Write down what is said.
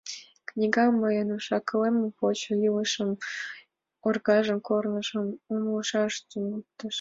Книга мыйын уш-акылемым почо, илышын оргажан корныжым умылаш туныктыш.